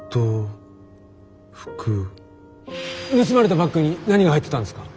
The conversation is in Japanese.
盗まれたバッグに何が入ってたんですか？